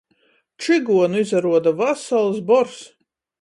Čyguonu, izaruoda, vasals bors!